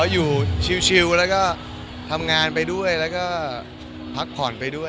อยู่ชิลแล้วก็ทำงานไปด้วยแล้วก็พักผ่อนไปด้วย